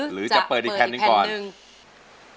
หรือจะเปิดอีกแผ่นหนึ่งก่อนหรือจะเปิดอีกแผ่นหนึ่ง